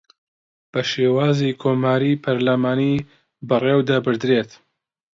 بە شێوازی کۆماریی پەرلەمانی بەڕێوەدەبردرێت